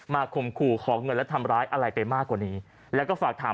ข่มขู่ขอเงินและทำร้ายอะไรไปมากกว่านี้แล้วก็ฝากถาม